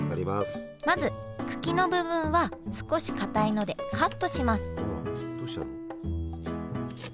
まず茎の部分は少しかたいのでカットします